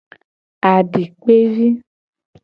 Adikpevi.